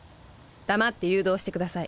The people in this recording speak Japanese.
黙って誘導してください。